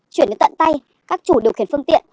chuyển đến tận tay các chủ điều khiển phương tiện